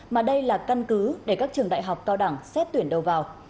mà đây là căn cứ để các trường đại học cao đẳng xét tuyển đầu vào